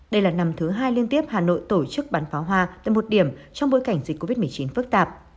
đây là năm thứ hai liên tiếp hà nội tổ chức bán pháo hoa tại một điểm trong bối cảnh dịch covid một mươi chín phức tạp